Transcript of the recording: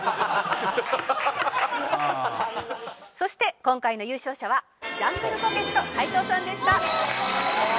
そして今回の優勝者はジャングルポケット斉藤さんでした。